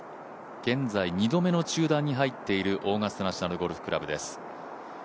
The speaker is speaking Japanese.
現在２度目の中断に入っているオーガスタ・ナショナル・ゴルフクラブです。